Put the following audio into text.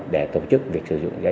để tổ chức